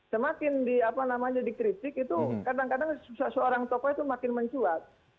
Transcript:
semakin dikritik itu kadang kadang seorang tokoh itu makin mencuat